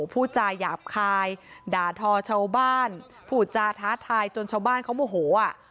ผู้ชายหยาบคายด่าทอชาวบ้านผู้ชาวท้าทายจนชาวบ้านเขาโอ้โหอ่ะ